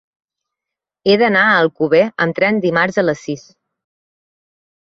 He d'anar a Alcover amb tren dimarts a les sis.